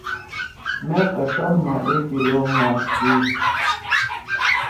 مأ قصاب ما اے کِلو ماس سی